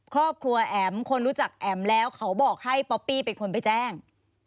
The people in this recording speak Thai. ครอบครัวแอ๋มคนรู้จักแอ๋มแล้วเขาบอกให้ป๊อปปี้เป็นคนไปแจ้ง